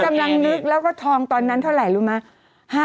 กำลังนึกแล้วก็ทองตอนนั้นเท่าไหร่รู้ไหม